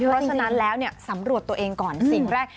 เพราะฉะนั้นแล้วสำรวจตัวเองก่อนสิ่งแรก